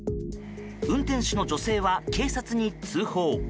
運転手の女性は警察に通報。